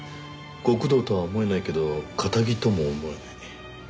極道とは思えないけど堅気とも思えない。